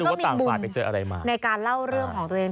ทุกคนก็มีมุมในการเล่าเรื่องของตัวเอง